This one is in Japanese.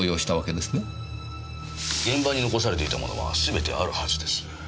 現場に残されていたものはすべてあるはずです。